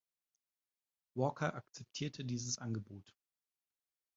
Walker akzeptierte dieses Angebot.